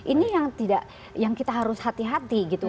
ini yang tidak yang kita harus hati hati gitu